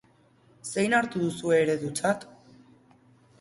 Zein hartu duzue eredutzat?